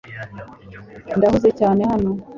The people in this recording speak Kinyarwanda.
Ndahuze cyane hano .